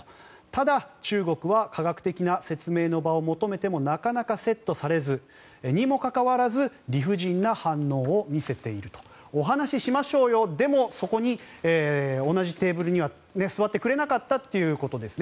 ただ、中国は科学的な説明の場を求めてもなかなかセットされずにもかかわらず理不尽な反応を見せているとお話ししましょうよでもそこに、同じテーブルには座ってくれなかったということですね。